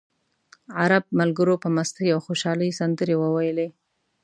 عرب ملګرو په مستۍ او خوشالۍ سندرې وویلې.